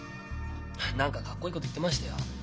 何かかっこいいこと言ってましたよ。